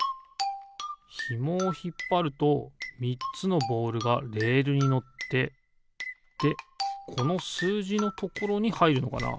ひもをひっぱると３つのボールがレールにのってでこのすうじのところにはいるのかな？